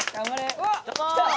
うわっ来た！